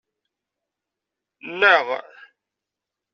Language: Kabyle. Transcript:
Nneɣ.